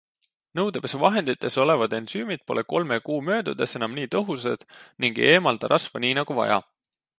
Nõudepesuvahendites olevad ensüümid pole kolme kuu möödudes enam nii tõhusad ning ei eemalda rasva nii nagu vaja.